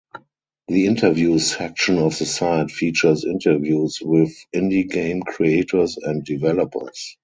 The interviews section of the site features interviews with indie game creators and developers.